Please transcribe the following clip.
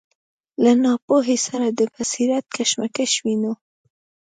له ناپوهۍ سره د بصیرت کشمکش وینو.